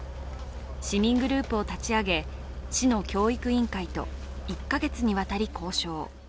市民グループを立ち上げ、市の教育委員会と１か月にわたり交渉。